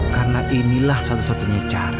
karena inilah satu satunya cara